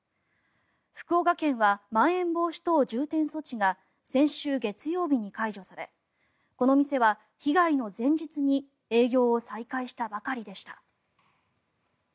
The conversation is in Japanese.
福岡県はまん延防止等重点措置が先週月曜日に解除されこの店は被害の前日に営業を再開したばかりでした。